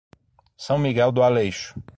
São Miguel do Aleixo